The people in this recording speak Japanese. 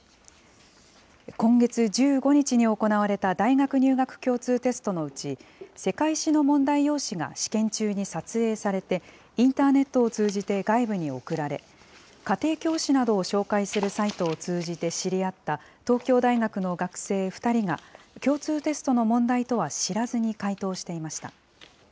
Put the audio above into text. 今月１５日に行われた大学入学共通テストのうち、世界史の問題用紙が試験中に撮影されて、インターネットを通じて外部に送られ、家庭教師などを紹介するサイトを通じて知り合った、東京大学の学生２人が、共通テストの問題とは知らずに回答していました。